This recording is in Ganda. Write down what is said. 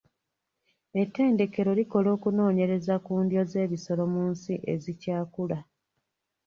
Ettendekero likola okunoonyereza ku ndyo z'ebisolo mu nsi ezikyakula.